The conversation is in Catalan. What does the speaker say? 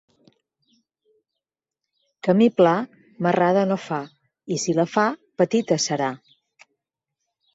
Camí pla, marrada no fa, i si la fa, petita serà.